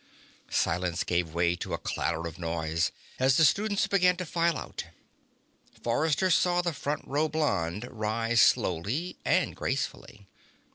Silence gave way to a clatter of noise as the students began to file out. Forrester saw the front row blonde rise slowly and gracefully.